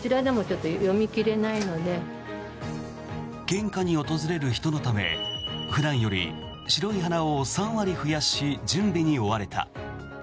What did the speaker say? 献花に訪れる人のため普段より白い花を３割増やし準備に追われた。